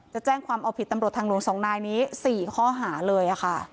จะแจ้งความเอาผิดตำรวจทางหลวง๒นายนี้๔ข้อหาเลยค่ะ